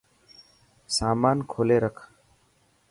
سامان کولي رک.